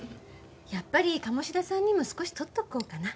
やっぱり鴨志田さんにも少しとっておこうかな。